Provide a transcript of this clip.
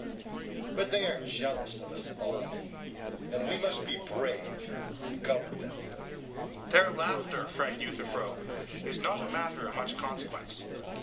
But they are jealous of us all; and we must be brave and go at them. SOCRATES: Their laughter, friend Euthyphro, is not a matter of much consequence.